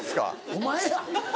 お前や。